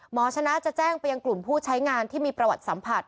ชนะจะแจ้งไปยังกลุ่มผู้ใช้งานที่มีประวัติสัมผัส